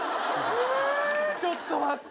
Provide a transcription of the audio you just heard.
ちょっと待って。